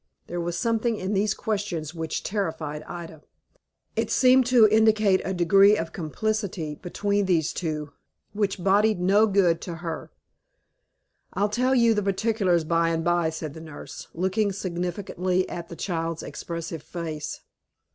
There was something in these questions which terrified Ida. It seemed to indicate a degree of complicity between these two, which boded no good to her. "I'll tell you the particulars by and by," said the nurse, looking significantly at the child's expressive face.